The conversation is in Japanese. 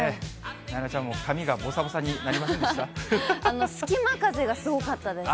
なえちゃんも髪がぼさぼさに隙間風がすごかったです。